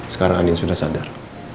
sekarang andien sudah sadar